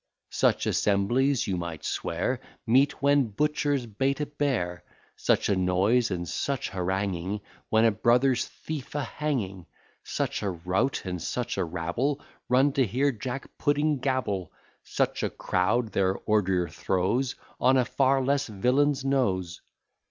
Such assemblies, you might swear, Meet when butchers bait a bear: Such a noise, and such haranguing, When a brother thief's a hanging: Such a rout and such a rabble Run to hear Jackpudding gabble: Such a crowd their ordure throws On a far less villain's nose.